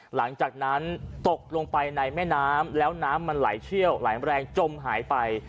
หลังจากนั้นตกลงไปในแม่น้ำแล้วน้ำมันไหลเชี่ยวไหลแรงจมหายไป